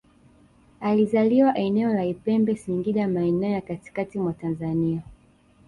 Alizaliwa eneo la Ipembe Singida maeneo ya katikati mwa Tanzania